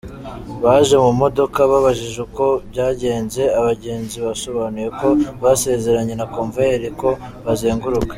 Baje mu modoka babajije uko byagenze, abagenzi basobanuye ko basezeranye na Convoyeur ko bazenguruka.